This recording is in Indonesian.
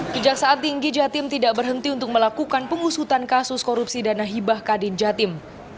kejaksaan tinggi jatim tidak berhenti untuk melakukan pengusutan kasus korupsi dana hibah kadin jatim